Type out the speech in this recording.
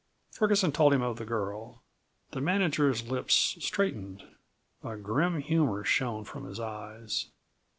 Ferguson told him of the girl. The manager's lips straightened. A grim humor shone from his eyes.